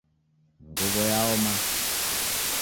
Nguwo yaoma